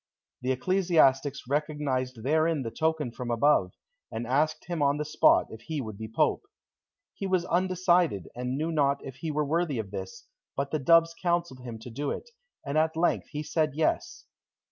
The ecclesiastics recognized therein the token from above, and asked him on the spot if he would be pope. He was undecided, and knew not if he were worthy of this, but the doves counselled him to do it, and at length he said yes.